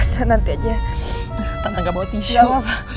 tante gak bawa tisu